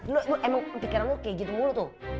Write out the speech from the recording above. lu emang pikiran lu kayak gitu mulu tuh